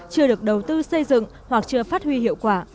chưa được đầu tư xây dựng hoặc chưa phát huy hiệu quả